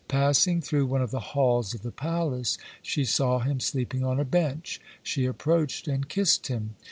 Passing through one of the halls of the palace, she saw him sleeping on a bench; she approached and kissed him.